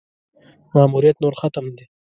ماموریت نور ختم دی.